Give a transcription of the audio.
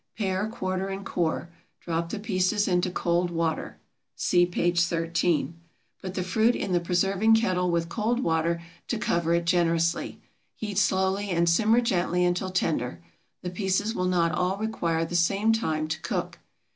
Pare, quarter, and core; drop the pieces into cold water (see p. 13). Put the fruit in the preserving kettle with cold water to cover it generously. Heat slowly and simmer gently until tender. The pieces will not all require the same time to cook.